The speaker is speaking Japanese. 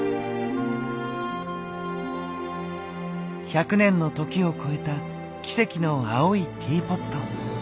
いや１００年の時を超えた奇跡の青いティーポット。